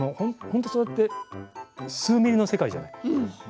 本当にそれは数ミリの世界じゃない？